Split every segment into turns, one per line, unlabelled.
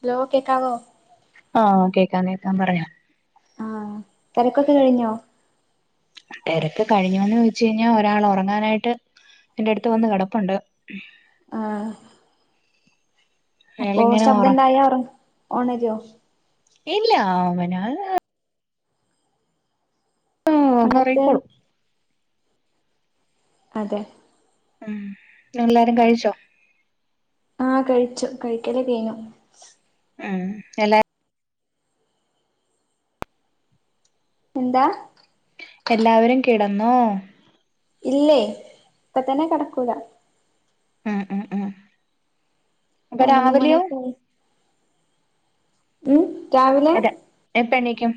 Hello കേക്കാവോ
ആഹ് കേക്കാം കേക്കാം പറയാം
ആഹ തിരക്കൊക്കെ കഴിഞ്ഞോ
തിരക്ക് കഴിഞ്ഞോന്ന് ചോദിച്ച് കഴിഞ്ഞാൽ ഒരാൾ ഉറങ്ങാനായിട്ട് എന്റെ അടുത്ത് വന്ന് കടപ്പുണ്ട്
ആഹ് അപ്പൊ
അയാളിങ്ങനെ
ശബ്ദം
ഉറ
ഇണ്ടായറ ഒണരോ
ഇല്ല അവന [unintelligible] ആ
അങ്ങനത്തെ
ഒറങ്ങിക്കോളും
അതെ
ഉം എല്ലാരും കഴിച്ചോ
ആ കഴിച്ചു കഴിക്കല് കഴിഞ്ഞു
ഉം എലെ
എന്താ
എല്ലാവരും കിടന്നോ
ഇല്ലേ ഇപ്പ തന്നെ കടക്കൂല.
ആഹ് ആഹ് ആ
പതിനൊന്ന് മണി ഉ രാവിലെ
അതെ എപ്പ എണീക്കും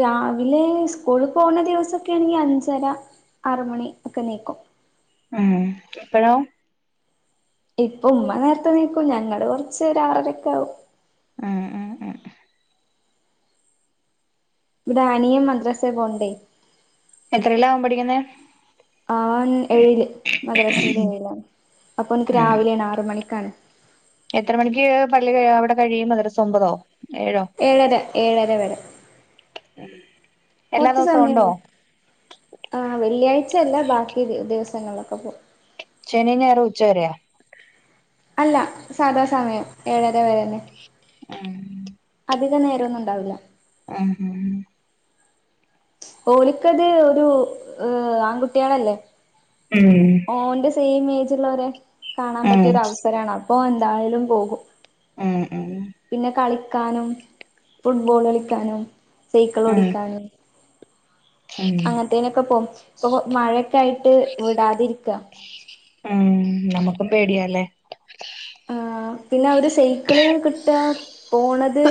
രാവിലെ സ്കൂളിൽ പോകണ ദിവസൊക്കെ ആണെങ്കിൽ അഞ്ചര ആറു മണി ഒക്കെണിക്കും.
ഉം എപ്പോഴോ
ഇപ്പ ഉമ്മ നേരത്തെ നീക്കൂ ഞങ്ങള് കുറച്ച് ഒരാ ആറരൊക്കെ ആവും
ആഹ് ആ
ഈ അനിയൻ മദ്രസെ പോണ്ടേ.
എത്രല്ല അവൻ പഠിക്കുന്നേ
അവൻ ഏഴില് മദ്രസയിലെ ഏഴിലാണ്, അപ്പൊ ഓനുക്ക്
ഉം
രാവിലെ ആണ് ആറ് മണിക്കാണ്.
എത്ര മണിക്ക് പള്ളി അവിടെ കഴിയും, മദ്രാസ ഒമ്പതോ ഏഴോ?
ഏഴര ഏഴര വരെ
ഉം
കുറച്ച് സമയം ഉള്ളൂ, ആഹ് വെള്ളിയാഴ്ചയല്ല ബാക്കി ദി ദിവസങ്ങളൊക്കെ പോകും.
ശനിയും ഞായറും ഉച്ചവരെ.
അല്ല സാധാ സമയം ഏഴര വരെ തന്നെ.
ആഹ്
അധികം നേരം ഒന്നും ഉണ്ടാവില്ല.
ഉം ഉം
ഓലുക്ക് അതൊരു ഏഹ് ആൺ കുട്ടികളല്ലേ?
ഉം
ഓന്റെ സെയിം എജ് ഉള്ളവരെ കാണാൻ പറ്റിയ
ഉം
ഒരു അവസരമാണ്. ഓ എന്തായാലും പോകും.
ഉം ഉം
പിന്നെ കളിക്കാനും ഫുട്ബോൾ കളിക്കാനും. സൈക്കിൾ
ഉം
ഓടിക്കാനും.
ഉം
അങ്ങനെത്തേന് ഒക്കെ പോവും, ഇപ്പൊ മഴയൊക്കെ ആയിട്ട് വിടാതിരിക്കുക.
ഉം നമുക്ക് പേടിയല്ലേ.
ആഹ് പിന്നെ അവര് സൈക്കിള് കിട്ടുക, പോണത്.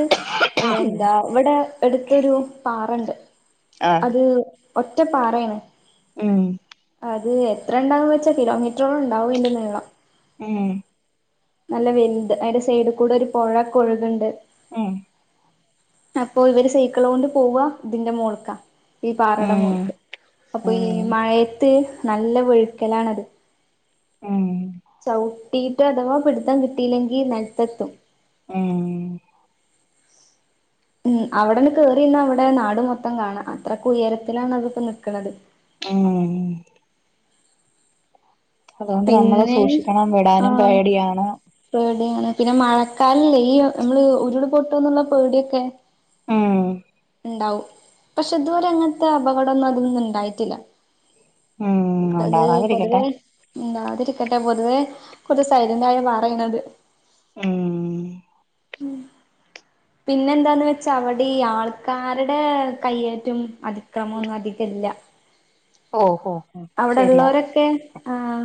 ആഹ്
എന്താ ഇവിടെ എടുത്തൊരു പാറയുണ്ട്. അത് ഒറ്റപ്പാറയാണ്.
ഉം
അത് എത്ര ഉണ്ടാവെന്ന് വെച്ചാൽ കിലോമീറ്ററോളം ഉണ്ടാവും അതിൻ്റെ നീളം.
ഏഹ്
നല്ല വെലുത് അതിന്റെ സൈഡിൽ കൂടെ ഒരു പൊഴയൊക്കെ ഒഴുക്കുണ്ട്.
ഉം
അപ്പൊ ഇവര് സൈക്കിൾ കൊണ്ട് പോവുക, ഇതിന്റെ മോളിക്കാ. ഈ പാറടെ
ഉം
മോളിക്ക്, അപ്പൊ ഈ
ഉം
മഴയത്ത് നല്ല വഴുക്കലാണത്.
ഉം
ചവിട്ടിയിട്ട് അഥവാ പിടുത്തം കിട്ടിയില്ലെങ്കിൽ നിലത്തെത്തും.
ഉം
ഉം അവിടെ നിന്ന് കേറി നിന്നാ അവിടെ നാട് മൊത്തം കാണാം അത്രക്ക്‌ ഉയരത്തിലാണ് അതിപ്പോ നിൽക്കണത്
ഉം അതുകൊണ്ട് നമ്മള്
പിന്നെ
സൂക്ഷിക്കണം, വിടാനും
ആഹ്
പേടിയാണ്.
പേടിയാണ് പിന്നെ മഴക്കാലല്ലേ, ഈ നമ്മള് ഉരുള് പൊട്ടന്നുള്ള പേടിയൊക്കെ.
ഉം
ഇണ്ടാവും, പക്ഷെ ഇതുവരെ അങ്ങനത്തെ അപകടമൊന്ന് അതിന്ന് ഉണ്ടായിട്ടില്ല.
ഉം
അത്
ഉണ്ടാവാതിരിക്കട്ടെ
പൊതുവേ ഉണ്ടാവാതിരിക്കട്ടെ പൊതുവെ കുറച്ച് സൈലന്റായ പറയണത്
ഉം
ഉം പിന്നെന്താന്ന് വെച്ചാ അവിടെ ഈ ആൾക്കാരുടെ കയ്യേറ്റും അതിക്രമൊന്നും അധികം ഇല്ല
ഓഹോ ഹോ ശരിയാ
അവ്ടെള്ളോരൊക്കെ ആഹാ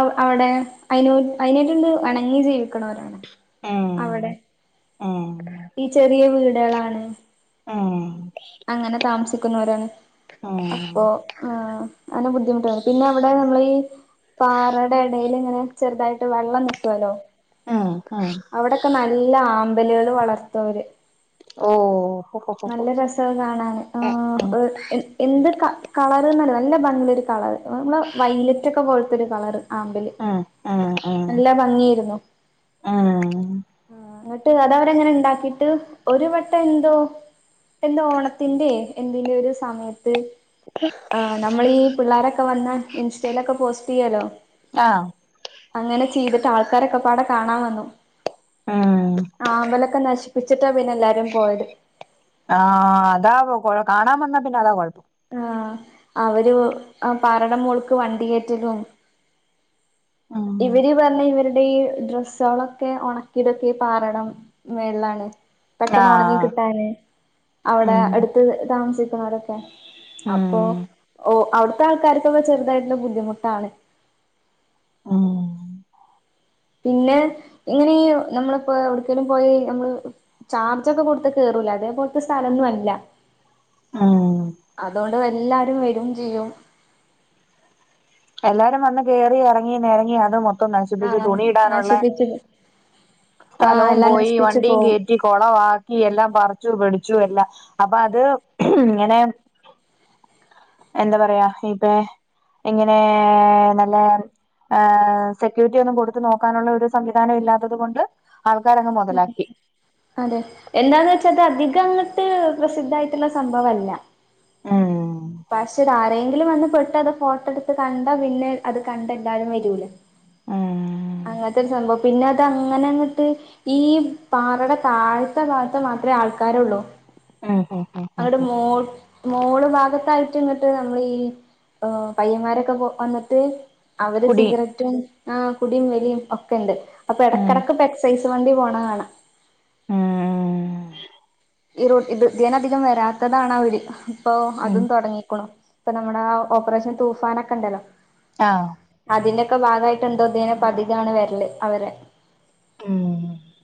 അവ് അവ്ടെ അയ്ന് അയ്നായിട്ടാണ്ട് എണങ്ങി ജീവിക്ക് ണോരാണ്
ഏഹ് ഏഹ്
ഈ ചെറിയ വീടേളാണ്
ഏഹ്
അങ്ങനെ താമസിക്കുന്നോരാണ്
ഉം ഉം
അപ്പോ ഏഹ് അങ്ങനെ ബുദ്ധിമുട്ടാണ് പിന്നെ അവ്ടെ നമ്മളെയീ പാറേടെ എടയി ല്ങ്ങനെ ചെറ്തായിട്ട് വള്ളം നിക്കോല്ലോ
ആഹ് ആ
അവ്ടൊക്കെ നല്ല ആമ്പലുകള് വളർത്തുവര്
ഹോ ഹോ ഹോ
നല്ല രസാ അഹ്കാണാന് ആ
ഉം
ഇഹ് ഹ് എന്ത് ക കളറ്ന്നല്ല നല്ല ഭംഗിള്ളൊരു കളറ് നമ്മളെ വൈലറ്റൊക്കെ പോൽത്തൊരു കളറ്. ആമ്പല്
ആഹ് ആഹ് ആഹ്
നല്ല ഭംഗിയേരുന്നു
ആഹ്
ഇങ്ങട്ട് അതവ്ടെങ്ങനെണ്ടാക്കിട്ട് ഒരു വട്ടന്തോ ഓണത്തിന്റെ എന്തിന്റെയൊരു സമയത്ത്
[unintelligible]
ആഹ് നമ്മളീ പിള്ളാരൊക്കെ വന്ന് ഇൻസ്റ്റയിലൊക്കെ പോസ്റ്റയ്യേലോ?
ആഹ്,
അങ്ങനെ ചെയ്ത്ട്ട് ആൾക്കാരൊക്കെപാടെ കാണാ വന്നു
ഉം
ആമ്പലൊക്കെ നശ്പ്പിച്ചിട്ടാ പിന്നെല്ലാരും പോയത്.
ആഹാ അതാ കൊഴ കാണാവന്നാ പിന്നതാ കൊഴപ്പം.
ആ അവര് അ പാറടെ മോൾക്ക് വണ്ടി കേറ്റലും
ഉം
ഇവര് പറഞ്ഞ് ഇവര്ടെ ഈ ഡ്രസ്സാളൊക്കെ ഉണക്കിതൊക്കെ പാറേടേ മേൾളാണ് പെട്ടെന്ന് ഒണങ്ങി
ആഹ്
കിട്ടാന്
ഉം
അവടെട്ത്ത് താമസിക്കുന്നോരൊക്കെ
ഉം
അപ്പൊ ഓ ഔട്ത്തെ ആൾക്കാര്ക്കൊക്കെ ചെറുതായിട്ട്ത് ബുദ്ധിമുട്ടാണ്.
ഉം
പിന്നെ ഇങ്ങനീ നമ്മള്പ്പോ ഒട്ക്കേലും പോയാ നമ്മള് ചാർജൊക്കെ കൊട്ത്ത് കേറൂലേ അതെപോൽത്തെ സ്ഥലന്നു അല്ല.
ഉം
അതോണ്ടെല്ലാരും വെരും ചെയ്യും.
എല്ലാരും വന്ന് കേറിയെറങ്ങി നെരങ്ങി അത് മൊത്തം നശിപ്പിച്ച്
ആഹ്
തുണിയിടാനുള്ള
നശിപ്പിച്ച് ആഹ്
സ്ഥലവും
എല്ലാം
പോയി
നശിപ്പിച്ചു
വണ്ടിയും
പോവും
കേറ്റി കൊളവാക്കി എല്ലാം പറിച്ചു പിടിച്ചു എല്ലാം അപ്പഅത് ഇങ്ങനെ എന്താപറയാ ഇപ്പേ ഏ നല്ല [unintelligible] ഹേ സെക്യൂരിറ്റിയൊന്നും കൊടുത്ത് നോക്കാനുള്ള ഒരു സംവിധാനം ഇല്ലാത്തത് കൊണ്ട് ആൾക്കാരങ്ങ്
ഉം
മൊതലാക്കി.
അതെ എന്താന്ന് വെച്ചാത് അധികങ്ങട്ട് പ്രസിദ്ധായിട്ട്ള്ള സംഭവല്ല.
ഉം
പക്ഷെ ഇതാരെയെങ്കിലും വന്ന് പെട്ട് അത് ഫോട്ടട്ത്ത് കണ്ടാ പിന്നെ അത് കണ്ടെല്ലാരും വെരൂലേ
മ്
അങ്ങൻത്തൊരു സംഭവം പിന്നതങ്ങനങ്ങട്ട് ഈ പാറേടെ താഴ്ത്തെ ഭാഗത്ത് മാത്രേ ആൾക്കാരൊള്ളൂ.
ഹ്ം ഹ്ം ഹം
അങ്ങട്ട് മോൾ മോള് ഭാഗത്തായിട്ട്ങ്ങട്ട് നമ്മളീ എഹ് പയ്യങ്ങാരൊക്കെ കോ വന്ന്ട്ട് അവര്
കുടി
സിഗരറ്റും ആ കുടീം, വലിം ഒക്കെണ്ട്
ഉം
അപ്പയെടക്കട്ക്ക്പ്പം [unintelligible] വണ്ടി പോണകാണാ
കുടി ഉം
ഈ റോട്ടി ഇത് ഇതിയാനധികം വരാത്തതാണാവര് ഇപ്പൊ
ഉം
അതും തൊടങ്ങിക്ക്ണു ഇപ്പ നമ്മടാ ഓപ്പറേഷൻ തൂഫാനൊക്കെണ്ടല്ലോ
ആഹ്
അതിന്റൊക്കെ ഭാഗമായിട്ട എന്തോതിന് പതികാണ് വരല് അവരെ
മ്ഹ്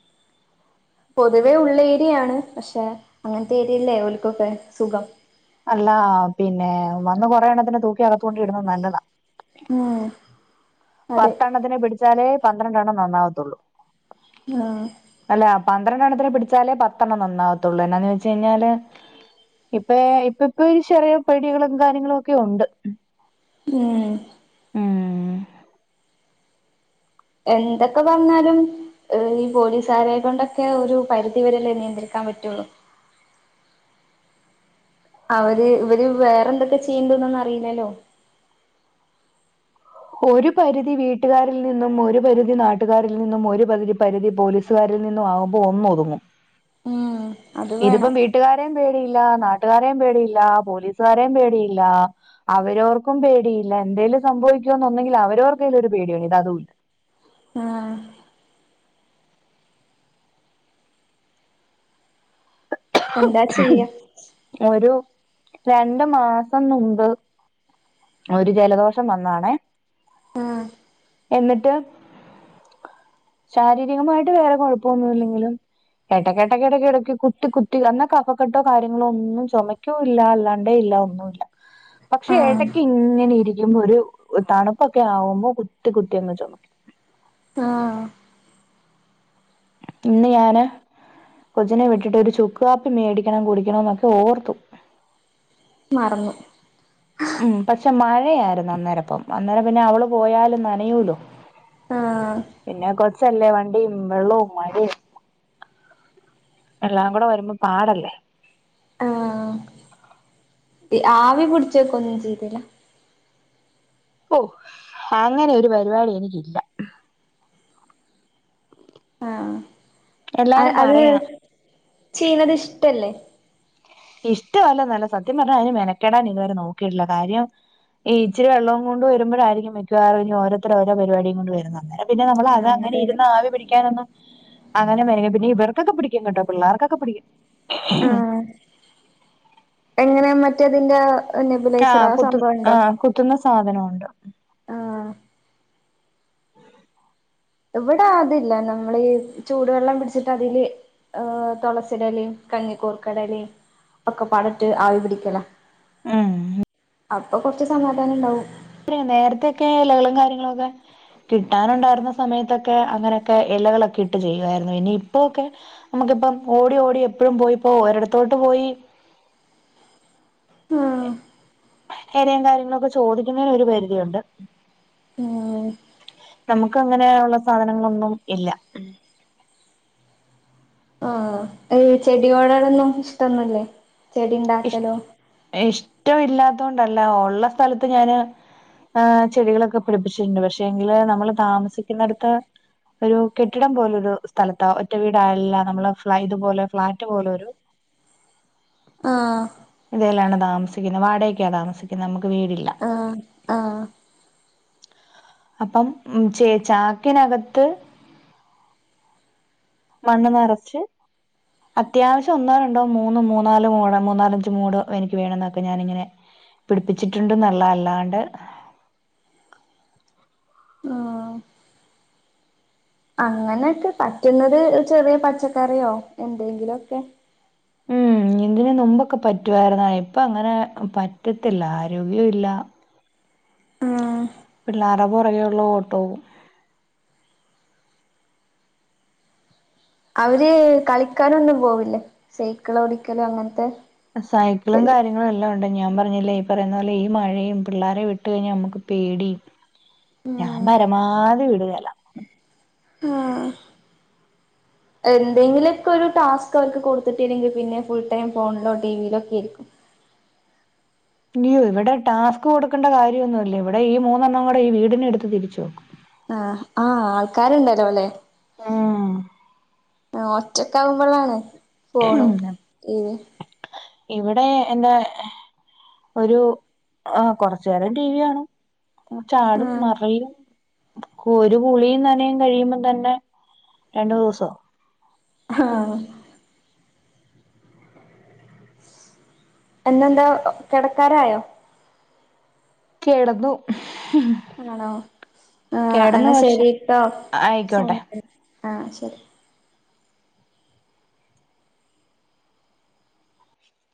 പൊതുവേ ഉള്ള് ഏരിയാണ് പക്ഷെ അങ്ങനത്തെ ഏരിയല്ലേ ഓൾക്കൊക്കെ സുഖം
അല്ല പിന്നെ വന്ന് കൊറെ എണ്ണത്തിനെ തൂക്കി അകത്തുകൊണ്ടിടുന്നത് നല്ലതാ.
മ്ഹ്
പത്ത് എണ്ണത്തിനെ പിടിച്ചാലേ പന്ത്രണ്ടെണ്ണം നന്നാവത്തുള്ളൂ.
മ്ഹ്
അല്ല പന്ത്രണ്ടെണ്ണത്തിനെ പിടിച്ചാലേ പത്തെണ്ണം നന്നാകത്തുള്ളൂ എന്നാന്ന് വെച്ച് കഴിഞ്ഞാല് ഇപ്പ ഇപ്പ ഇപ്പൊ ഒരു ചെറിയ പേടികളും കാര്യങ്ങളും ഒക്കെ ഉണ്ട്
മ്ഹ്
ഉം
എന്തൊക്കെ പറഞ്ഞാലും ഈ പോലീസുകാരെ കൊണ്ടൊക്കെ ഒരു പരിധിവരെല്ലേ നിയന്ത്രിക്കാൻ പറ്റുള്ളൂ? [inaudible] അവര് ഇവര് വേറെന്തൊക്കെ ചെയ്യുണ്ടന്നൊന്ന് അറിയില്ലല്ലോ
ഒരു പരിധി വീട്ടുകാരിൽ നിന്നും ഒരു പരിധി നാട്ടുകാരിൽ നിന്നും ഒരു പരിധി പരിധി പോലീസ് സുകാരിൽ നിന്നു ആകുമ്പോ ഒന്ന് ഒതുങ്ങും.
[inaudible] അത്
ഇതിപ്പം
വേണം
വീട്ട ട്ടുകാരെയും പേടിയില്ല, നാട്ടുകാരെയും പേടിയില്ല, പോലീസുകാരെയും പേടിയില്ല, അവരോർക്കും പേടിയില്ല എന്തേലും സംഭവിക്കൊന്നോണ്ടെങ്കിൽ അവരോർക്കെലും ഒരു പേടിവേണം ഇത്‌ അതും ഇല്ല.
ആഹ് എന്താ ചെയ്യാ
ഒരു രണ്ടു മാസം മുമ്പ് ഒരു ജലദോഷം വന്നാണേ
ആഹ്
എന്നിട്ട്, ശാരീരികമായിട്ട് വേറെ കൊഴപ്പൊന്നും ഇല്ലെങ്കിലും ഇടയ്ക്കെടേയ്‌ക്കെടക്കെടയ്ക്ക് കുത്തി കു ത്തി എന്ന കഫക്കെട്ടോ കാര്യങ്ങളോ ഒന്നും ചുമക്കും ഇല്ല അല്ലാണ്ടും ഇല്ല ഒന്നുല്ല. പക്ഷെ
ആഹ്
ഏടയ്ക്ക് ഇങ്ങനെ ഇരിക്കുമ്പോ ഒരു തണുപ്പൊക്കെ ആവുമ്പോ കുത്തി കുത്തി അങ്ങ് ചുമക്കും.
ആഹ്
ഇന്ന് ഞാന് കൊച്ചിനെ വിട്ടിട്ട് ഒരു ചുക്ക് കാപ്പി മേടിക്കണം കുടിക്കണം എന്നൊക്കെ ഓർത്തു
മറന്നു
മ്ഹ് പക്ഷെ മഴയായിരുന്നു അന്നേരപ്പം അന്നേരം പിന്നെ അവള് പോയാലും നനയൂലോ.
ആഹ്
പിന്നെ കൊച്ചല്ലേ വണ്ടിയും വെള്ളവും മഴയും എല്ലാം കൂടെ വരുമ്പോ പാടല്ലേ
ആഹ് ആവി പിടിച്ച വെക്ക ഒന്നും ചെയ്തില്ല?
ഓ അങ്ങനെ ഒരു പരിപാടി എനിക്കില്ല
ആഹ്
എല്ലാരും
അത്
പറയാ
ചെയ്യുന്നത് ഇഷ്ടല്ലേ?
ഇഷ്ടമല്ലന്നല്ല സത്യം പറഞ്ഞാൽ അതിന് മെനക്കെടാൻ ഇതുവരെ നോക്കിട്ടില്ല കാര്യം ഈ ഇച്ചി വെള്ളം കൊണ്ട് വരുമ്പോഴായിരിക്കും മിക്കവാറും ഓരോരുത്തരോരോ പരിപാടിയും കൊണ്ട് വരുന്നത് അന്നരം പിന്നെ നമ്മൾ അത്
ആഹ്
അങ്ങനെ
അതെ അതെ
ഇരുന്ന ആവി പിടിക്കാനൊന്നും അങ്ങനെ വരുമ്പ പിന്നെ ഇവർക്കൊക്കെ പിടിക്കും കേട്ടോ പിള്ളേർക്കൊക്കെ പിടിക്കും
ആഹ് എങ്ങനെ മറ്റേതിന്റ നെബുലൈസറോ
ആഹ്
ആ
കുത്തും
സംഭവം ഉണ്ടോ?
ആഹ് കുത്തുന്ന സാധനമുണ്ട്
ആഹ് ഇവിടെ അതില്ല, നമ്മളീ ചൂടുവെള്ളം പിടിച്ചിട്ട് അതില് ആഹ് തൊളസിടെ ഇലയും കഞ്ഞിക്കൂർക്കേടെലേം ഒക്ക പാടിട്ട് ആവി പിടിക്കലാ
ഉം
അപ്പൊ കൊറച്ച് സമാധാനണ്ടാവും
[unintelligible] നേരത്തേ ക്കെ ഇലകളും കാര്യങ്ങളൊക്കെ കിട്ടാനുണ്ടാരുന്ന സമയത്തൊക്കെ അങ്ങനക്കെ എലകളൊക്കെ ഇട്ട് ചെയ്യുവാരുന്നു പിന്നെ ഇപ്പോക്കെ നമുക്കിപ്പം ഓടി ഓടി എപ്പഴും പോയിപ്പോ ഒരിടത്തോട്ട് പോയി
ആഹ്
എലിം കാര്യങ്ങളൊക്കെ ചോദിക്കുന്നേന്ന് ഒരു പരിധിയുണ്ട്
മ്
നമുക്കങ്ങനെ ഒള്ള സാധനങ്ങളൊന്നും ഇല്ല
ആഹ് ഈ ചെടിയോടോ ടൊന്നും ഇഷ്ട്ടോന്നുലെ ചെടി ഇണ്ടാക്കലോ
ഇഷ്ട്ടവില്ലാത്തൊണ്ടല്ല ഒള്ള സ്ഥലത്ത് ഞാന് ആഹ് ചെടികളൊക്കെ പിടിപ്പിച്ചിട്ടുണ്ട് പക്ഷെ എങ്കില് നമ്മള് താമസിക്കുന്നടത്ത് ഒരു കെട്ടിടം പോലൊരു സ്ഥലത്താ ഒറ്റ വീടായല്ല നമ്മള് ഫളൈഡു പോലെ ഫ്ളാറ്റ് പോലെരു
ആഹ്
ഇതേലാണ് താമസിക്കുന്നെ വാടകക്കാ താമസിക്കുന്നെ നമുക്ക് വീടില്ല
ആഹ് ആഹ്
അപ്പം ഉം ചേ ചാക്കിനകത്ത് മണ്ണ് നറച്ച് അത്യാവശ്യം ഒന്നോ രണ്ടോ മൂന്ന് മൂന്നാല് മൂട മൂന്നാലഞ്ച് മൂട് എനിക്ക് വേണനോക്കെ ഞാനിങ്ങനെ പിടിപ്പിച്ചിട്ടുണ്ട്ന്നൊള്ളതല്ലാണ്ട്
അങ്ങനെക്കെ പറ്റുന്നത് ചെറിയ പച്ചക്കറിയോ എന്തേങ്കിലുവൊക്കെ
ഉം ഇതിന് മുമ്പൊക്കെ പറ്റുവായിരുന്ന് ഇപ്പ അങ്ങനെ പറ്റത്തില്ല ആരോഗ്യവും ഇല്ല
ആഹ്
പിള്ളാര പൊറകെയുള്ള ഓട്ടവും
അവര് കളിക്കാനൊന്നും പോവില്ലേ സൈക്കിളോടിക്കല് അങ്ങനത്തെ
സൈക്കിളും
ശരി
കാര്യ [unintelligible] ളെല്ലാം ഒണ്ട് ഞാൻ പറഞ്ഞില്ലേ ഈ പറയുന്ന പോലെ ഈ മഴയും പിള്ളാരെ വിട്ട് കഴിഞ്ഞാൽ നമുക്ക് പേടീം
[inaudible]
ഞാ പരമാധി വിടുകേല
ആഹ് എന്തെങ്കിലൊക്കൊരു ടാസ്ക് അവർക്ക് കൊടുത്ത്ട്ട്ല്ലെങ്കിൽ പിന്നെ ഫുൾ ടൈം ഫോണിലോ ടിവിലോ ഒക്കെരിക്കും
ഇയ്യോ ഇവടെ ടാസ്ക് കൊടുക്കണ്ട കാര്യവൊന്നുവില്ല ഇവിടെ ഈ മൂന്നെണ്ണം കൂടെ ഈ വീടിനെ എടുത്ത് തിരിച്ചുവെക്കും
ആഹ് ആ ആൾക്കാര്ണ്ടലോ ല്ലേ
ഉം
ആഹ് ഒറ്റക്കാവുമ്പോളാണ് ഫോണും ടീവിം
ഇവിടെ എന്റ ഒരു ആഹ് കൊറച്ചു നേരം ടി വി കാണും ചാടും മറിയും ഒരു കുളിയും നനയും കഴിയുമ്പം തന്നെ രണ്ടു ദിവസാവും
ഹാ പിന്നന്താ കെടക്കാരായോ
കെടന്നു
ആണോ ആ എന്നാ
പക്ഷെ
ശരീട്ടോ സ
ആയിക്കോട്ടെ
[unintelligible] ആഹ് ശരി